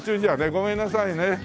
ごめんなさいね。